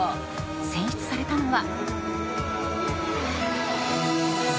選出されたのは。